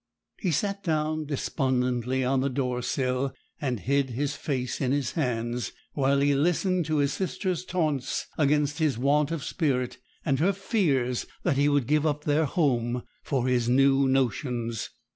He sat down despondently on the door sill, and hid his face in his hands, while he listened to his sister's taunts against his want of spirit, and her fears that he would give up their home for his new notions.